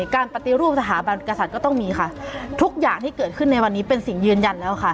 การปฏิรูปสถาบันกษัตริย์ก็ต้องมีค่ะทุกอย่างที่เกิดขึ้นในวันนี้เป็นสิ่งยืนยันแล้วค่ะ